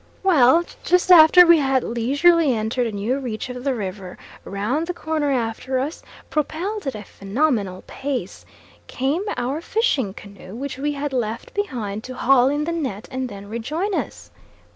Well, just after we had leisurely entered a new reach of the river, round the corner after us, propelled at a phenomenal pace, came our fishing canoe, which we had left behind to haul in the net and then rejoin us.